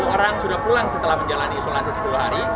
sepuluh orang sudah pulang setelah menjalani isolasi sepuluh hari